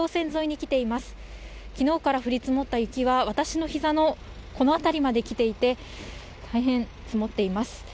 きのうから降り積もった雪は、私のひざのこの辺りまで来ていて、大変積もっています。